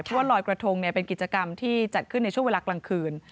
เพราะว่าลอยกระทงเป็นกิจกรรมที่จัดขึ้นในช่วงเวลากลางคืน